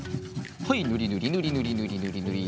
はいぬりぬりぬりぬりぬりぬりぬり。